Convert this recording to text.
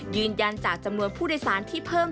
ยืนยันจากจำนวนผู้โดยสารที่เพิ่ม